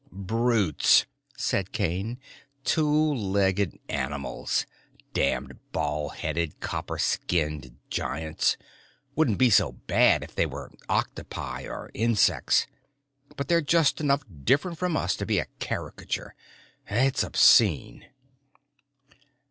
"Brutes," said Kane. "Two legged animals. Damned bald headed, copper skinned giants. Wouldn't be quite so bad if they were octopi or insects, but they're just enough different from us to be a caricature. It's obscene."